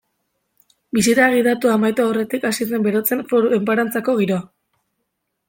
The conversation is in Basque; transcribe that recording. Bisita gidatua amaitu aurretik hasi zen berotzen Foru Enparantzako giroa.